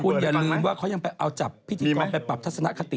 คุณอย่าลืมว่าเขายังไปเอาจับพิธีกรไปปรับทัศนคติ